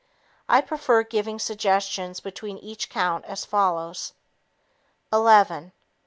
I prefer giving suggestions between each count as follows: "Eleven